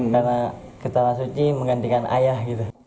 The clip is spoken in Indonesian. karena ke tanah suci menggantikan ayah